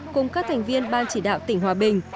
cùng các thành viên ban chỉ đạo tỉnh hòa bình